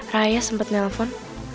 raya sempet nelfon